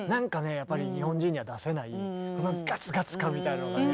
やっぱり日本人には出せないガツガツ感みたいなのがね